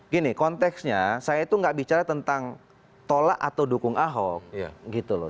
gini konteksnya saya itu nggak bicara tentang tolak atau dukung ahok gitu loh